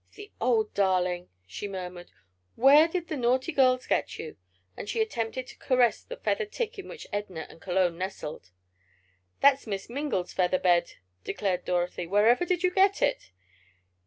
"The old darling!" she murmured. "Where did the naughty girls get you?" and she attempted to caress the feather tick in which Edna and Cologne nestled. "That's Miss Mingle's feather bed!" declared Dorothy. "Wherever did you get it?"